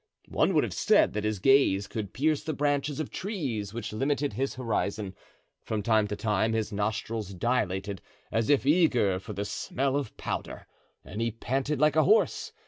One would have said that his gaze could pierce the branches of trees which limited his horizon. From time to time his nostrils dilated as if eager for the smell of powder, and he panted like a horse.